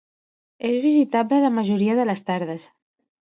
És visitable la majoria de les tardes.